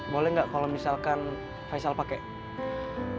boleh nggak kalau misalkan faisal pakai